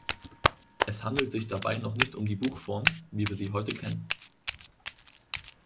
Es handelt sich dabei noch nicht um die Buchform, wie wir sie heute kennen.